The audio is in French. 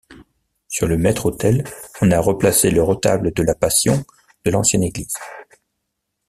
Sur le maître-autel, on a replacé le retable de la Passion de l'ancienne église.